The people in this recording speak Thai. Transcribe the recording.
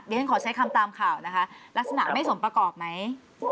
ฉันขอใช้คำตามข่าวนะคะลักษณะไม่สมประกอบไหม